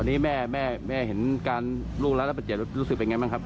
อันนี้แม่แม่แม่เห็นการลูกรักและเป็นเจ็บรู้สึกเป็นยังไงบ้างครับ